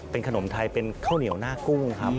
เป็นขนมไทยเป็นข้าวเหนียวหน้ากุ้งครับ